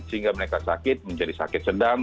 sehingga mereka sakit menjadi sakit sedang